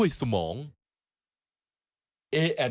รัชพรชลาดล